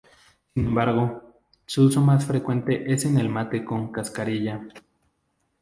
Sin embargo, su uso más frecuente es en el mate con cascarilla.